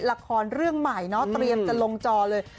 ละครเรื่องใหม่เนาะเตรียมจะลงจอเลย